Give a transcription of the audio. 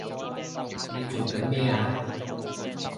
你做緊咩啊！